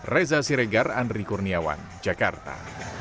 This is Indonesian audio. reza siregar andri kurniawan jakarta